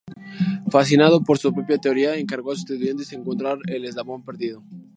Fascinado por su propia teoría encargó a sus estudiantes encontrar el eslabón perdido.